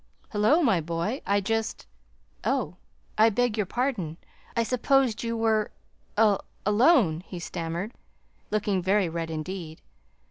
"Hullo my boy, I just Oh, I beg your pardon. I supposed you were alone," he stammered, looking very red indeed.